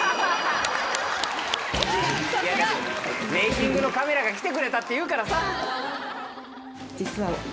メイキングのカメラが来てくれたっていうからさ。